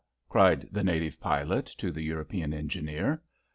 cried the native pilot to the European engineer.